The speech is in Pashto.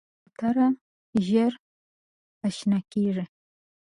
کوتره ژر اشنا کېږي.